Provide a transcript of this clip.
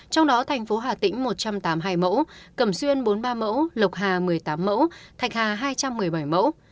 trong đó thành phố hà tĩnh một trăm tám mươi hai mẫu cẩm xuyên bốn mươi ba mẫu lộc hà một mươi tám mẫu thạch hà hai trăm một mươi bảy mẫu